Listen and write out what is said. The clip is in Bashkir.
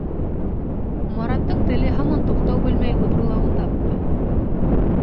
Мараттың теле һаман туҡтау белмәй лыбырлауында булды.